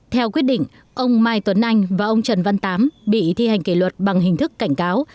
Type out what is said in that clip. theo quyết định ông mai tuấn anh và ông trần văn tám bị thi hành kỷ luật bằng hình thức cảnh cáo